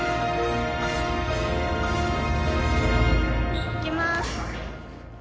いきまーす。